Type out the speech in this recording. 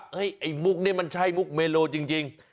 ไอ้มุกนี่มันใช่มุกเมโลจริง